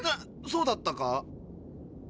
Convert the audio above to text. そうだったか？